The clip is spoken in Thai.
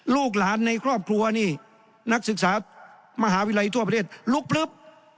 ลูกหลานในครอบครัวนี่นักศึกษามหาวิทยาลัยทั่วประเทศลุกพลึบ